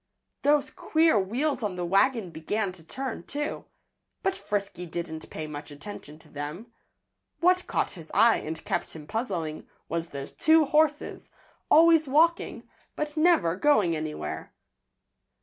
Those queer wheels on the wagon began to turn, too. But Frisky didn't pay much attention to them. What caught his eye and kept him puzzling was those two horses, always walking, but never going anywhere.